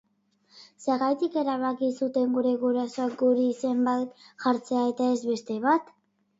Zergatik erabaki zuten gure gurasoek guri izen bat jartzea eta ez beste bat?